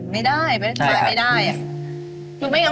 ไม่ได้ไม่ได้จ่ายไม่ได้อะ